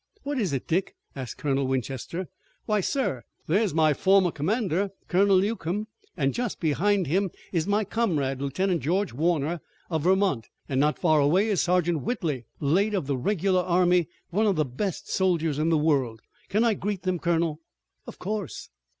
"What is it, Dick?" asked Colonel Winchester. "Why, sir, there's my former commander, Colonel Newcomb, and just behind him is my comrade, Lieutenant George Warner of Vermont, and not far away is Sergeant Whitley, late of the regular army, one of the best soldiers in the world. Can I greet them, colonel?" "Of course."